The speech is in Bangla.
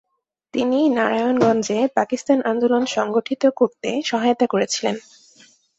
তিনি নারায়ণগঞ্জে পাকিস্তান আন্দোলন সংগঠিত করতে সহায়তা করেছিলেন।